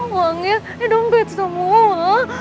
uangnya di dompet semua